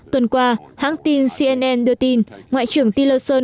tuần qua hãng tin cnn đưa tin ngoại trưởng tillerson